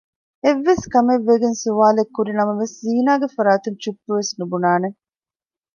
އެއްވެސް ކަމެއްވެގެން ސްވާލެއްކުރިނަމަވެސް ޒީނާގެ ފަރާތުން ޗުއްޕުވެސް ނުބުނާނެ